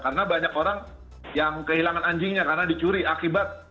karena banyak orang yang kehilangan anjingnya karena dicuri akibat sindikat ini